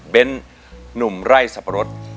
เบ้นหนุ่มไร้สะพะรด